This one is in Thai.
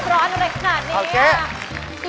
ร้อนก็ได้ขนาดนี้